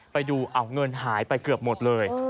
ไปดูเงินหายไปเกือบหมดเลย